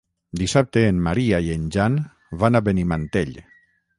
Dissabte en Maria i en Jan van a Benimantell.